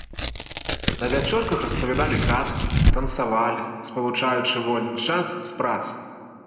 На вячорках распавядалі казкі, танцавалі, спалучаючы вольны час з працай.